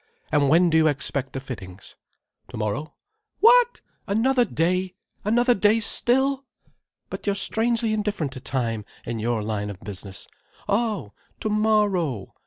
And when do you expect the fittings—?" "Tomorrow." "What! Another day! Another day still! But you're strangely indifferent to time, in your line of business. Oh! _Tomorrow!